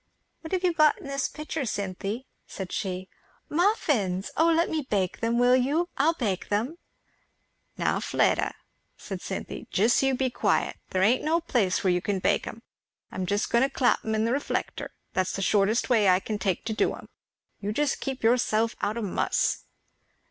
"What have you got in this pitcher, Cynthy?" said she. "Muffins! O let me bake them, will you? I'll bake them." "Now Fleda," said Cynthy, "just you be quiet. There ain't no place where you can bake 'em. I'm just going to clap 'em in the reflector that's the shortest way I can take to do 'em. You keep yourself out o' muss."